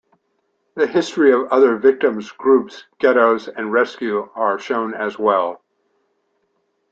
The history of other victim groups, ghettoes and rescue are shown as well.